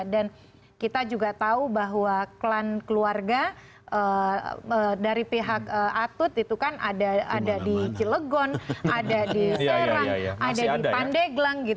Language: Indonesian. dan kita juga tahu bahwa klan keluarga dari pihak atut itu kan ada di cilegon ada di serang ada di pandai gelang gitu